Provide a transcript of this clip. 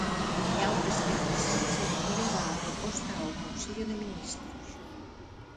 Mañá o presidente Sánchez leva a proposta ao Consello de Ministros.